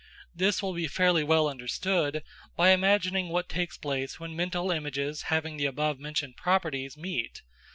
This will be fairly well understood by imagining what takes place when mental images having the above mentioned properties meet.